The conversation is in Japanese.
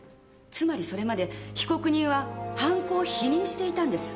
つまりそれまで被告人は犯行を否認していたんです。